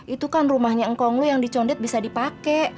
itu kan rumahnya ngkong lo yang dicondet bisa dipake